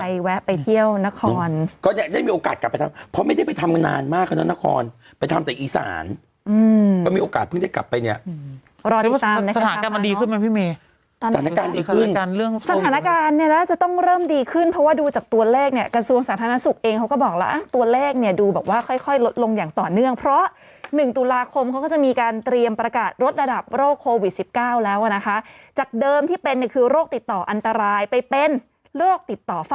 ใครแวะไปเที่ยวนครก็เนี้ยได้มีโอกาสกลับไปทำเพราะไม่ได้ไปทำนานมากแล้วนครไปทำแต่อีสานอืมก็มีโอกาสเพิ่งได้กลับไปเนี้ยอืมรอติดตามในสถานการณ์มันดีขึ้นไหมพี่เมย์สถานการณ์ดีขึ้นสถานการณ์เรื่องสถานการณ์เนี้ยนะจะต้องเริ่มดีขึ้นเพราะว่าดูจากตัวแรกเนี้ยกระทรวงสาธารณสุขเองเขาก็บ